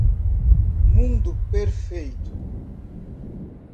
Mundo perfeito.